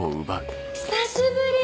久しぶり。